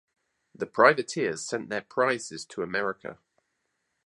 The privateers sent their prizes to America.